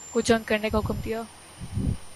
کو جنگ کرنے کا حکم دیا